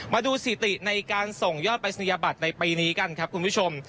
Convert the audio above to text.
ดูสิติในการส่งยอดปรายศนียบัตรในปีนี้กันครับคุณผู้ชม